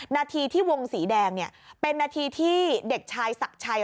นาทีที่วงสีแดงเป็นนาทีที่เด็กชายศักดิ์ชัย